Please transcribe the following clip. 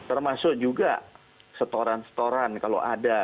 termasuk juga setoran setoran kalau ada